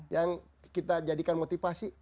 yang kita jadikan motivasi